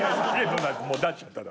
もう出しちゃったから。